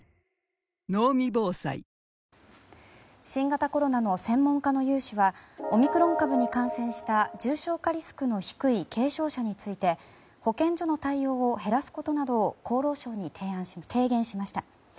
新型コロナの専門家の有志はオミクロン株に感染した重症化リスクの低い軽症者について保健所の対応を減らすことなどを厚労省に提言しました。